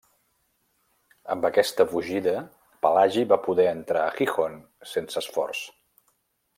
Amb aquesta fugida Pelagi va poder entrar a Gijón sense esforç.